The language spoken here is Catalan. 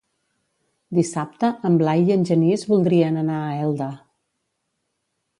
Dissabte en Blai i en Genís voldrien anar a Elda.